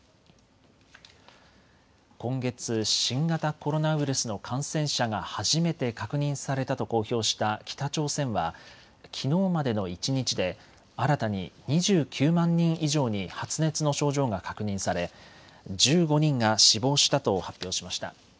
今月、新型コロナウイルスの感染者が初めて確認されたと公表した北朝鮮はきのうまでの一日で新たに２９万人以上に発熱の症状が確認され１５人が死亡したと発表しました。